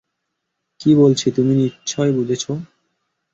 কি বলছি তুমি বুঝেছ নিশ্চয়।